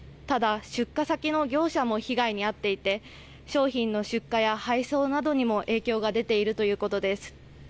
ただ出荷先の業者も被害に遭っていて商品の出荷や配送などにも影響が出ているということです。